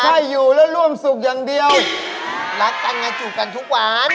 ใช่อยู่แล้วร่วมสุขอย่างเดียวรักกันไงจูบกันทุกวัน